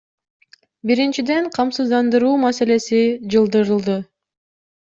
Биринчиден, камсыздандыруу маселеси жылдырылды.